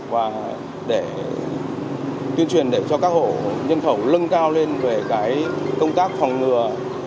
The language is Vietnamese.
và để tuyên truyền để cho các hộ nhân khẩu lưng cao lên về công tác phòng ngừa